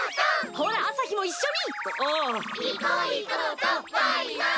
ほら朝陽も一緒に！